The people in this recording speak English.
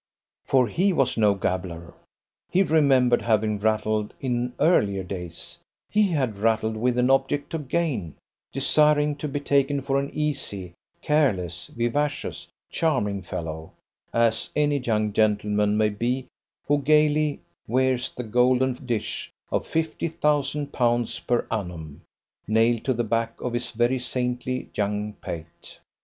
For he was no gabbler. He remembered having rattled in earlier days; he had rattled with an object to gain, desiring to be taken for an easy, careless, vivacious, charming fellow, as any young gentleman may be who gaily wears the golden dish of Fifty thousand pounds per annum, nailed to the back of his very saintly young pate.